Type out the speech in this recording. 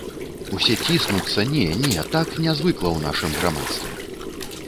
Усе ціснуцца, не, не, так не звыкла ў нашым грамадстве.